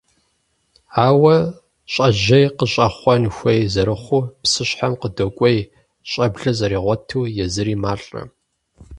Ауэ щӀэжьей къыщӀэхъуэн хуей зэрыхъуу, псыщхьэм къыдокӀуей, щӀэблэ зэригъуэту езыри малӀэ.